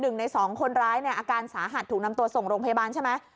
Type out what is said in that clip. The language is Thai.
หนึ่งในสองคนร้ายเนี่ยอาการสาหัสถูกนำตัวส่งโรงพยาบาลใช่ไหม